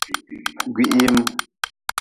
Gwihiim.